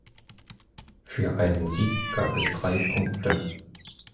Für einen Sieg gab es drei Punkte.